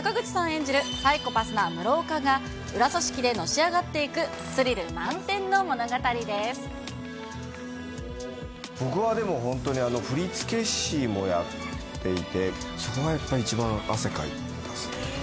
演じるサイコパスな室岡が裏組織でのし上がっていく、僕はでも本当に、振付師もやっていて、そこがやっぱり一番、汗かいたっすね。